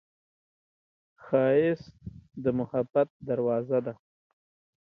ښایست د محبت دروازه ده